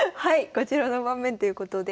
こちらの盤面ということで。